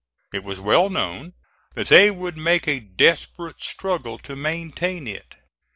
It was well known that they would make a desperate struggle to maintain it.